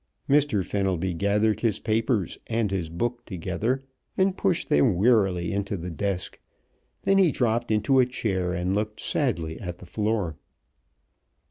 Mr. Fenelby gathered his papers and his book together and pushed them wearily into the desk. Then he dropped into a chair and looked sadly at the floor.